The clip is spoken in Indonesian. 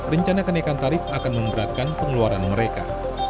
rencana kenaikan tarif akan memberatkan pengeluaran mereka